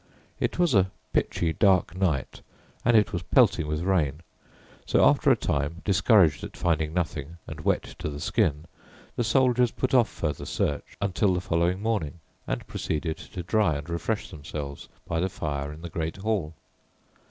It was a pitchy dark night, and it was pelting with rain, so after a time, discouraged at finding nothing and wet to the skin, the soldiers put off further search until the following morning, and proceeded to dry and refresh themselves by the fire in the great hall.